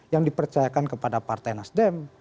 yang dipercayakan kepada partai nasdem